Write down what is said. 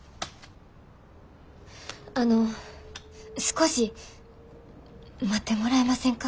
あの少し待ってもらえませんか？